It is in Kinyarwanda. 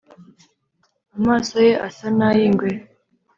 Amaso ye asa nayingwe